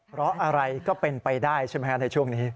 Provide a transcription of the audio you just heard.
เพราะอะไรก็เป็นไปได้ใช่ไหมครับในช่วงนี้